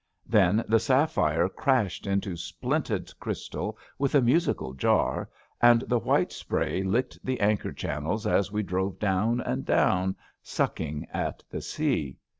Then the sapphire crashed into splinted crystal with a musical jar, and the white spray licked the anchor channels as we drove down and down, sucking a,t the sea.